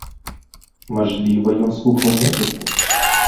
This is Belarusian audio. Мажліва, ён слухаў музыку.